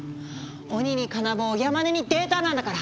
鬼に金棒山根にデータなんだから！